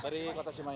dari kota cimahi